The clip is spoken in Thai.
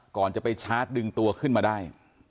ก่อนจะไปชาร์จดึงตัวขึ้นมาได้